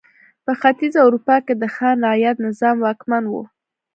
په ختیځه اروپا کې د خان رعیت نظام واکمن و.